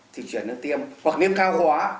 thì chuyển sang tiêm hoặc niêm cao hóa